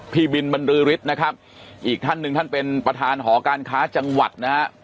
พี่บินบรรลือฤทธิ์นะครับอีกท่านหนึ่งท่านเป็นประธานหอการค้าจังหวัดนะฮะ